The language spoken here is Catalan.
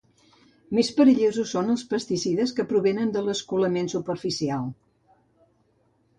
Més perillosos són els pesticides que provenen de l'escolament superficial.